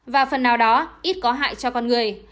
và phần nào đó ít có hại cho con người